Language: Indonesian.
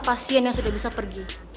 pasien yang sudah bisa pergi